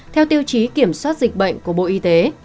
theo tiêu chí kiểm soát dịch bệnh của bộ y tế